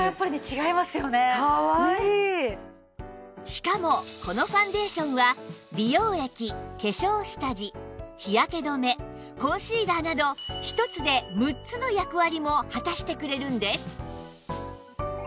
しかもこのファンデーションは美容液化粧下地日焼け止めコンシーラーなど１つで６つの役割も果たしてくれるんです